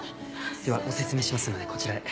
ではご説明しますのでこちらへ。